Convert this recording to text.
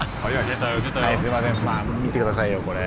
見てくださいよ、これ。